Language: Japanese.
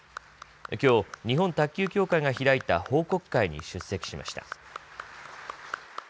きょう、日本卓球協会が開いた報告会に出席しました。